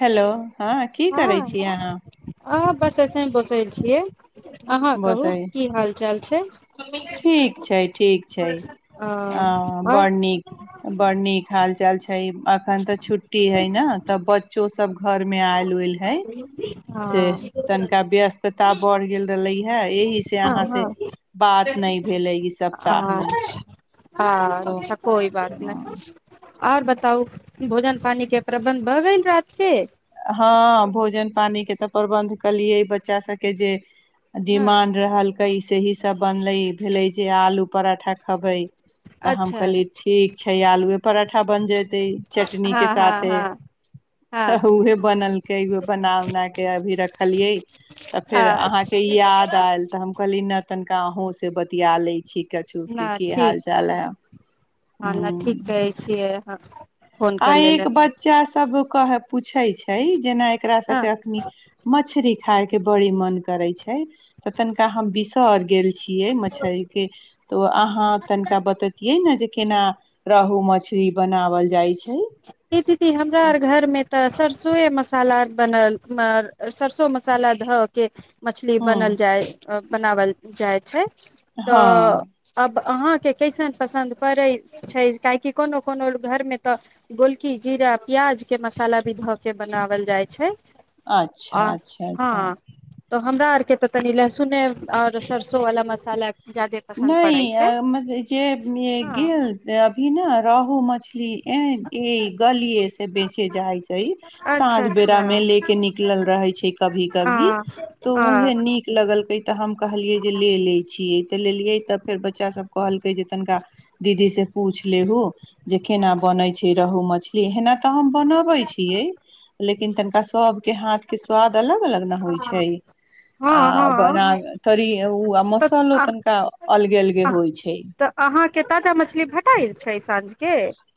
hello हँ की करै हँ छी अहाँ अह बस एसही बोसल छियै अहाँ कहू बसै की हाल चाल छै ठीक छै ठीक छै अ ह आओर बड़ नीक बड़ नीक हाल चाल छै तऽ ई अखन तऽ छुट्टी हय न तऽ बच्चो सब घर मे आयल उइल हय से हँ तनिका व्यस्तता बढ़ गेल रहले हइ एहि से यहाँ से हँ बात नहि भेलै ई सप्ताह मे हँ तो अच्छा कोइ बात ह नहि आओर बताउ भो जन पानी के प्रबन्ध भऽ गइल रात के हँ भोजन पानिके तऽ प्रबन्ध केलियै बच्चा सबके जे हँ डीमांड रहल तऽ ऐसे ही सब बनलै भेलै जे आलू पराठा खबै तऽ हम अच्छा कहलीयै ठीक छै आलुए पराठा बन जाइत तै चटनी के हँ हँ साथे हँ हँ तऽ उहे बनलकै उहे बना उना के अभी रखलियै तऽ फेर अहाँ अच्छा के याद आएल तऽ हम कहलियै न तनिका अहूँ से बतिया लै छी कछु की नहि की ठीक हाल चाल है हँ नहि ठीक हूँ कहै छियै अहाँ आ एक बच्चा सब कहे पूछै छै जेना एकरा सभके हँ अखनी मछरी खाय के बड़ी मन करै छै तऽ तनिका हम बिसरि गेल छियै मछरी के तऽ उ अहाँ तनिका बतैतियै न जे केना रहू मछरी बनावल जाइ छै ई दीदी हमरा आर घरमे तऽ सरसोए मसाला बनल सरसो मसाला धऽ के मछली बनल हूँ जाय अ बनावल जाइत छै तऽ हँ अब अहाँके कैसन पसन्द पड़ै छै काहेकि कोनो कोनो लोक घर मे तऽ गोलकी जीरा प्याज के मसाला भी धऽ के बनावल जाय छै आ अच्छा अच्छा अच्छा हँ तऽ ओ हमरा आरके तऽ तनी लहसुने आओर सरसो वाला मसाला ज्यादे पसन्द पड़ै छै नहि जे हँ गेल त इ न रोहु मछली ए ई गलिये से बेचे जाय छै साँझ अच्छा बेरा अच्छा में ले के निकलल रहे छै कभी कभी हँ तो ऊहे हँ निक लगलक तऽ हम कहलिये जे ले ले छिये लेलियै तब फेर बच्चा सब कहल जे तनका दीदी से पूछ लेबु जे केना बनै छै रह मछली एना तऽ हम बनाबै छियै लेकिन लिन तनका स सब के हाथ के स्वाद अलग अलग ने होइ छै आ हँ बना त मसालो तऽ तन अलगे अलगे अह होइ छै तऽ अहाँ के ताजा मछली भेटै छै साँझ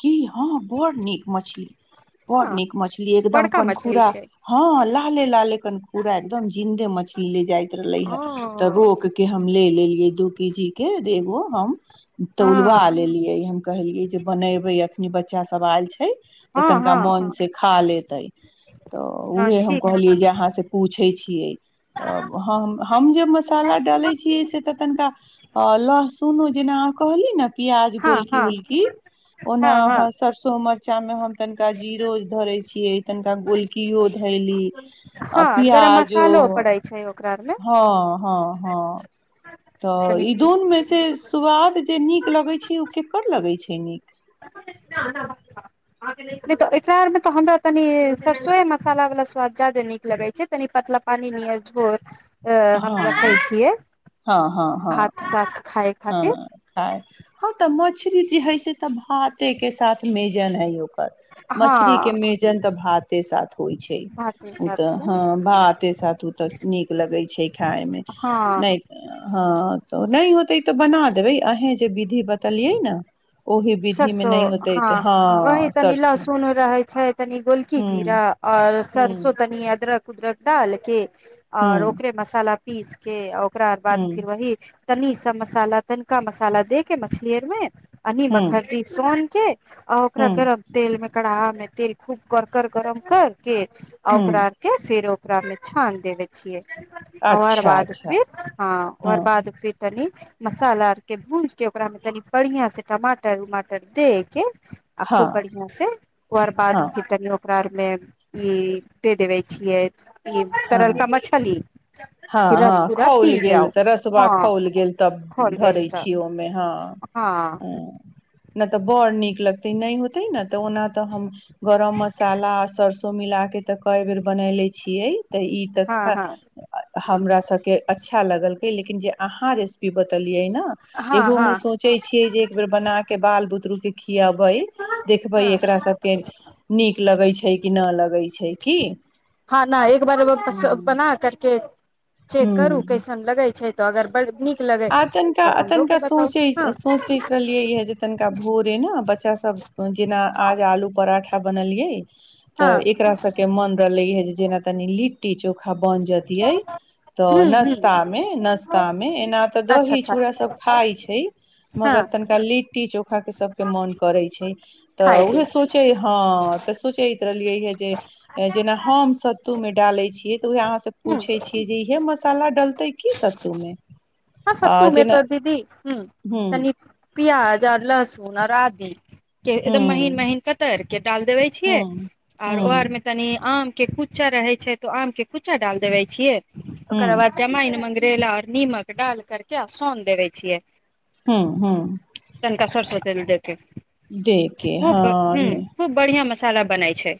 की हँ बड़ नीक मछली बड़ हँ नीक मछली एकदम बड़का मछली कनखुरा छै हँ ला लाले लाले कनखूरा एकदम जिंन्दे मछली ले जाय र ल ओ है तऽ रोक के हम ले लेलियै दू केजी के एगो हम तौलबा हँ लेलियै हम कहलियै जे नहि एबै अखनी बच्चा सब आयल छै तऽ हँ तनिका हँ मोन हँ से खा लेतै तऽ हँ उह हम ठीक कहलियै जे अहाँ से पूछै छी [inaudible] तऽ हम हम जे मसाला डालैत छियै से तऽ तनिका लहसुनो जेना अहाँ कहलियी ने प्याज हँ गोलकी हँ गोलकी हँ ओना हँ सरसो म जाबे हम तनिका जीरो धरे छियै तनिका गोल कियो धैली आ हँ गरम पियाजो मसालो पड़ै छै ओकरा आरमे हँ हँ हँ तऽ तनि इ पी दुन मे से स्वाद जे नीक लगै छै ओ केकर लगै छै नीक ना ना नहि तऽ एकरा आरमे तऽ हमरा तनी सरिसोए मसाला वालला स्वाद जा्यादे नीक लगैत छै तनी पतला पानि नियर झोर अ हम रखै हँ छियै हँ हँ भात हँ साथ खाय खातिर हँ खाइ हँ त मछ री जे हइ से तऽ भाते के साथ मेजन हइ ओ कर हँ मछरी के मेजन तऽ भात ते साथ होइ छै भाते उ साथ तऽ छै ह भाते सात उ तऽ नीक लगै छै खाय मे हँ नइ हँ तऽ नइ होतै तऽ बना देबै आहे जे विधि बतेलियै न सरसो हँ वही तनी सरसो लहसुन रहै छै तनि गोलकी हूं जीरा आओर हूं सरसो तनि अदरक उदरक डाल के आओर हूं ओकरे मसाला पीस के आओ ओकरा बाद हूं फिर वहि तनी सा मसाला तनिका मसाला दे के मछली अर मे आ निमक हूं खती सोन के आ ओकरा हूं गरम तेल मे कड़हा मे तेल खूब कर कर गरम कैर के हूं ओकरा के फिर ओकरा मे छान देबे छियै ओअर अच्छा बाद अच्छा फिर हँ ओअर बाद फिर तनि मसाला आर के भूज के ओकरा मे तनी बढ़िया से टमाटर [unintelligible] के आ हँ खूब बढ़िआ से ओर बाद हँ फिर तनियो ओकरा अर मे ई दे देबे छियै ई हँ तरलका मछली कि हँ रस हँ पूरा खाओल पी गेल जाउ तऽ रसवा हँ खाौओल गेल तब खोल गेल धरैत तऽ छी ओहिमे हँ हँ नइ तऽ बड़ नीक लगते नइ होते न तऽ ओना तऽ हम गरम मसाला आ सरसो मिलााके तऽ कएय बेर बनेले छियै तऽ ई हँ खा हँ हमरा सबके अच्छा लगल हे लेकिन जे अहाँ रेसिपी बतेल यै न हँ इहो मे हँ सोचै छियै जे एक बेर बना के बाल बुतरु खियाबै देखबै हँ एकरा सबके नीक लगे छै कि न लगे छै की हँ न एक एक बार ह बना करके चेक करू ह कैसन लगाइ छै तऽ अगर बड़ निक आ तनिका तनिका सोचैत हँ सोचैत रहलियै जे तनिका भोरे ने बच्चा सब जेना आज आलू पराठा बनलियै तऽ हँ एकरा सबके मन रहलै ह जे जेना तनी लिट्टी चोखा बै तऽ हूं नास्ता मे नास्ता मे हूं एना द अच्छा अच्छा चूड़ सब खााय छै मगर हँ तनिका लेट लिट्टी चोखा के सभके मन करै छै तऽ खायके उहे सोचै हँ तऽ सोचैत रहलियै है जे जेना हम सत्तू मे डालै छियै त उह अहाँ से हूं पूछे छियै जे इहे मस मसाला डलतै की सत्तू मे हँ आ सतु मे त जेना दीदी ह ह तनी प्याज आर लहसुन आऔर आदि के एकदम महीन हूँ महीन कतर के डाल देबे हूँ छियै आऔर ओ हूँ आरमे तनि आम के कुच्चा रहे छै तो आम के कुच्चा डाल देबे छियै ओकरा हूँ बाद जमइन मंगरैल तेल आर निमक डाल करके आ सोन देबे छियै हूँ हूँ तनिका सरसो तेल मे डालके दे के खूब ह हँ खूब बढ़िआँ मस खाना बने छै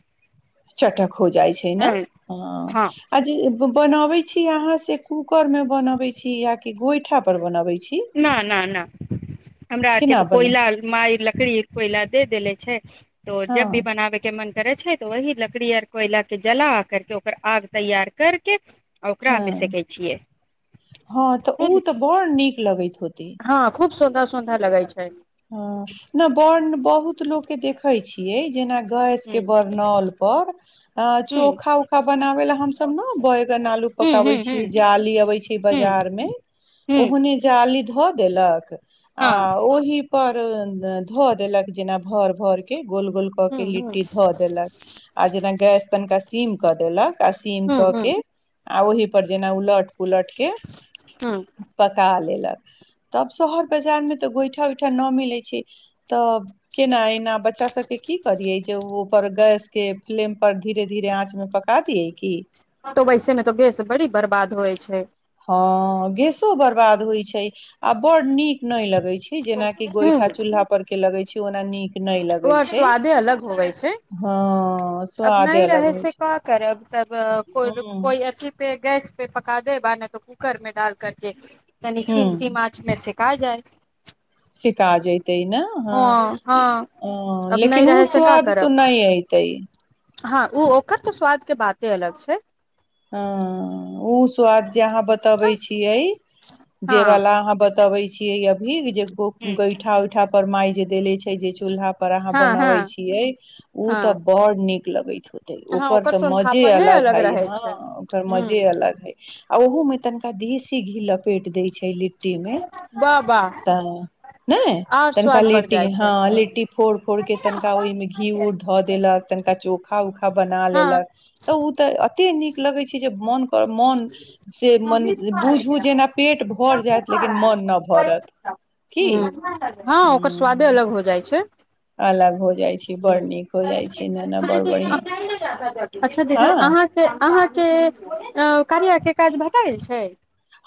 चटक हो जाइ छै ने हँ ह हँ आ जे बनावे छी यहा से कूकर में बनावे छी या क गोइठा पर बनावे छी न नहि नहि हमरा आरके केना तऽ बना कोयला मा लकड़ी कोइला दे देेले छै तो जब भी हँ बनाबयके मन करे छै तऽ वही लकड़ी आर कोयला के जला करके ओकर आग तैयार करके आ ओकरा मे हँ सेकै छियै हँ तऽ ओ खूब तऽ बड़ नीक लगैत होते हँ खूब सुन्दा सुन्दा लगै छै हँ ने बड़ बहुत लोक के देखे छियै जेना गैस के हूं बरनल पर हूं चोखा उखा बनाबे ल हमस ने बैगन आलू हूं पकाबे हूं छी हूं जाली अबे छै हूं बजार मे ओहने जाली धऽ देलक आ हँ ओहि पर ध देलक जेना भर भर के गोल गोल कऽ हूं के हूं लिट्टी धऽ देलक आ जेना गैस तनिका सीम कऽ देलक आ सीम हूं कऽ हूं के आ ओहि पर जेना उलट उलट के हूं पका लेल तब शहर बाजार मे तऽ गोइठा गोइठा न मिलै छै तऽ केना एना बच्चा सबके की करियए जे ओ पर गैस के फ्लेम पर धीरे धीरे आँच मे पका दिय की तऽ वैसे मे तऽ गैस बड़ी बर्बाद होइ छै हँ गेसो बर्बाद होइत छै आ बड़ नीक नहि लगै छै छै जेनाकी गोइठा चूल्हा पर के लगे छै ओना नीक नहि ओ लगै आर छै स्वादे अलग होवे छै हँ अब स्वादे नहि अलग रहे होइ से छै क करब तब को ह कोइ अथी पे गैस पे पका दे बाने त कूकर में डाल करके न ह सीम सीम आच मे सेक का जाय सेका जाइ तै ना ह हँ हँ अब नहि लेकिन रहे ओ से का स्वाद करब तऽ नहि अयतेै हँ ओ ओकर तऽ स्वाद के बाते अलग छै ह ओ स्वाद जे अहाँ बतबै हँ छियै जे हँ वाल अहाँ ब बतबै छियै अभी जे को गैठा उैठा पर माइ जे देले छै जे चूल्हा पर अहाँ बनावे हँ छियै तऽ हँ बड़ नीक लगैत होते हँ ओकर तऽ मजे सौंधापने अलग हई रहै हा छै ओकर हूँ मजे अलग ह आ ओह मे त धी सी घी लपेट देय छै लिट्टी लिट्टी मे वाह वाह तऽ ने आर तनिका स्वाद बढ़ लिट्टी जाइ छै हँ लिट्टी फोड़ फोड़ के तनिका ओहिमे घी उर धऽ देलक तना चोखा उखा बना हँ लेलक तऽ ओ तऽ एते निक लगै छै जे मोन मन से मने बुझू जेना पेट भर जायत लेकिन मन नहि भरत की हूँ हँ ओकर स्वादे अलग हो जाइ छै अलग हो जाइ छै बड़ नीक हो [unintelligible] जाइ छै ने ने बड़ बढ़िया अच्छा दीदी हँ अहाँके आ कनियाँ के काज भेटल छै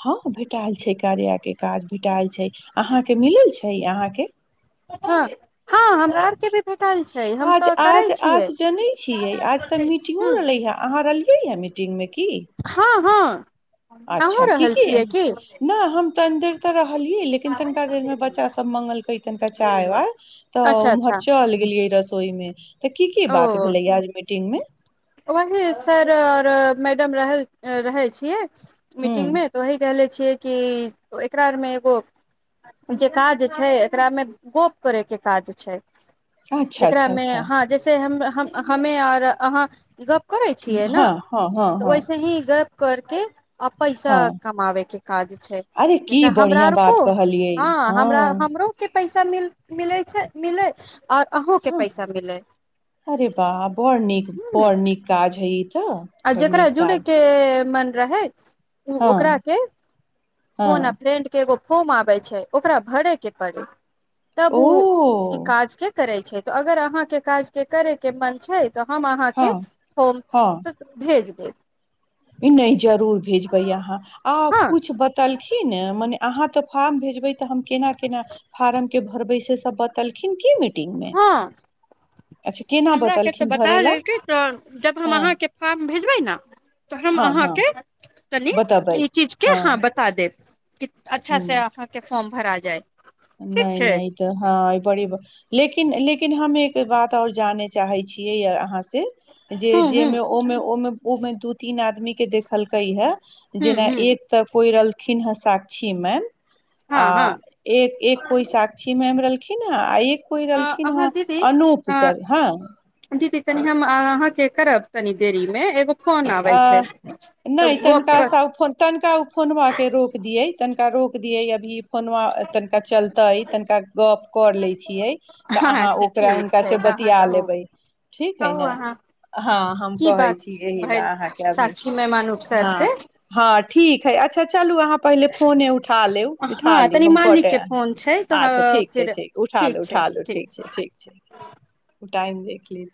हँ भेटएल छै कार्या के काज भेटल छै अहाँके मिलल छै नइ अहाँके हँ हँ हमरा आरके भी भेटल छै हम आज तऽ करै आज छियै आज जनै छियै ह्म यै मीटिंग मे कि [inaudible] हँ अहूँ अच्छा की रहल क छियै की नहि हम तनि देर तऽ रहलियै लेकिन तनिका देर मे बच्चा सब मंगलकेै तनिका चाय वाय तऽ अच्छा अच्छा उम्हर चल गेलियै रसोई मे तऽ की की बात भेलैया आज मिटिंग मे ओही सर आओर मैडम रह रहै छियै हूं मीटिंग मे त वही कहले छिय कि एकरामे एगो जे काज छै एकरा मे गप करै के काज छै अच्छा अच्छा जेकरामे अच्छा हँ जैसे हम हमे आर अहाँ गप्प करै छियै ने हँ हँ हँ तऽ हँ ओैसे ही गप्प करके आ पैसा हँ कमाबे के काज छै अरे की जैसे हमरा बढ़ियां आर कोो बात कहलियै हँ हमरा हमरो के पैसा मिल मिलै छै मिलै आओर अहूँ के हँ पैसा मिलै अरे बा बड़ नीक बड़ नीक काज हइ तऽ आब बड़ जेेकरा नीक जुडे काज के मन रहै हँ ओकरा के कोना हँ फ्रेड के एगो फर्म आबै छै ओकरा भरे के पड़े तब ओ ई काज के करै छै त अगर अहाँके काज के करय के मन छै तऽ हम अहाँके हँ हो हँ भेज देब नहि जरूर भेजबै अहाँ आ हँ कुछु बतलखिन हँ मने अहाँ तऽ फार्म भेजबे तऽ हम केना केना फार्म के भरबै से त बतेलखिन कि मे टिम मे अच्छा केना हमराक के तऽ बतलखिन बता भरे ला देलकै तऽ जब हम हँ अहाँके फॉर्म भेजबै ने त हम हँ हँ अहाँके तनी बतेबै ई चीज के हँ आहँ बता देब अच्छा से ह अहाँ के फॉर्म भरा जाय ठीक नहि छै नहि तऽ हँ बड़ी बात लेकिन लेकिन लेकिन हम एक बात और जाने चाहे छीियै य अहाँ से जे हूँ हूँ जेमे ओमे ओमे उ मे दू तीन आदमी के देखलकै हे हूँ जेना हूँ एक त कोइ खिन हँ साक्षी मैम हँ आ हँ एक एक कोइ साक्षी मैम रहलखिन ह आ एक कोइ रहलखिन हे अहाँ दीदी अनूप अ सर हँ दीदी तनि हम अहाँके करब तनि देरी मे एगो फोन आ आबै छै तब नहि तनिका गप तनिका फनवा के रोक दियै तनिका रोक दियै अभी कोनो तनिका चलतै अछि तनिका गप्प कर ले छियै तऽ हँ अहाँ अच्छा ओकरा ठीक हुनका छै से तऽ अहाँ बतिया कहू लेबै ठीक है कहू न अहाँ हँ हम की कहै बात छीए भेल अभी साक्षी मेहमान उपसर हँ से हँ ठीक है अच्छा चलू आहाँ पहिले फोने उठा लेउ उठा हँ लिउ तनी हम मालिक कटऽ के फोन छै तऽ अच्छा ठीक छै फिर ठीक उठा लू छै उठा लू ठीक छै ठीक छै ओ टाइम देख लीत